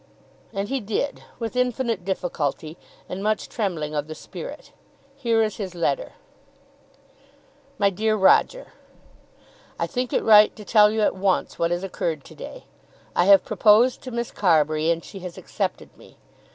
And he did, with infinite difficulty, and much trembling of the spirit. Here is his letter: MY DEAR ROGER, I think it right to tell you at once what has occurred to day. I have proposed to Miss Carbury and she has accepted me.